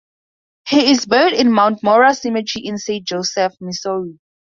He is buried in Mount Mora Cemetery in Saint Joseph, Missouri.